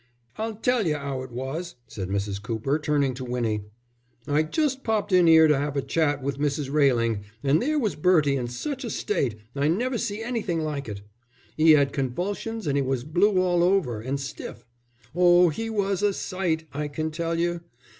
"I'll tell you 'ow it was," said Mrs. Cooper, turning to Winnie. "I just popped in 'ere to 'ave a little chat with Mrs. Railing, and there was Bertie in such a state I never see anything like it. He 'ad convulsions and he was blue all over, and stiff. Oh, he was a sight, I can tell you.